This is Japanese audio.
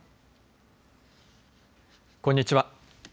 こんにちは。